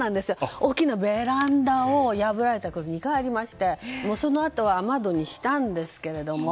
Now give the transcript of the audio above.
大きなベランダを破られたことが２回ありましてそのあとは雨戸にしたんですけど。